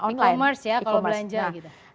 e commerce ya kalau belanja gitu